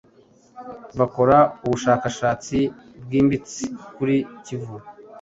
bakora ubushakashatsi.bwimbitse kuri kivu